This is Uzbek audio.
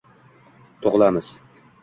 Tug’ilamiz